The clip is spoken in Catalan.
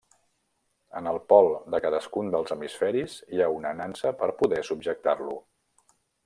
En el pol de cadascun dels hemisferis hi ha una nansa per poder subjectar-lo.